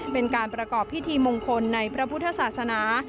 เป็นการประกอบพิธีมงคลในพระพุทธศาสนา